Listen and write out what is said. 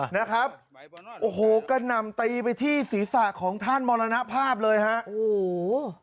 นะครับโอ้โหกระหน่ำตีไปที่ศีรษะของท่านมรณภาพเลยฮะโอ้โห